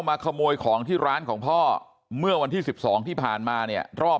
มาขโมยของที่ร้านของพ่อเมื่อวันที่๑๒ที่ผ่านมาเนี่ยรอบ